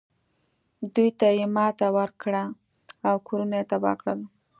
دوی ته یې ماتې ورکړه او کورونه یې تباه کړل.